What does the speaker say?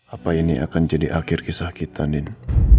apa ini akan jadi akhir kisah kita nino